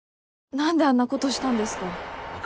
何であんなことしたんですか？